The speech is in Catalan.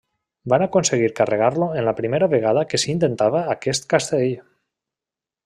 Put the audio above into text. Van aconseguir carregar-lo en la primera vegada que s'intentava aquest castell.